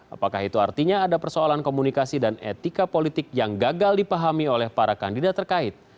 apakah itu artinya ada persoalan komunikasi dan etika politik yang gagal dipahami oleh para kandidat terkait